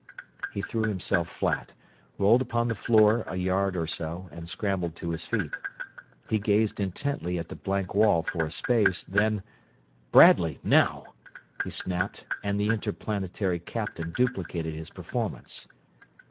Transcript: He threw himself flat, rolled upon the floor a yard or so, and scrambled to his feet. He gazed intently at the blank wall for a space, then: "Bradley now!" he snapped, and the Interplanetary captain duplicated his performance.